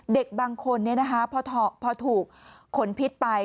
เด็กบางคนเนี่ยนะคะพอถูกขนพิษไป